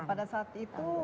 pada saat itu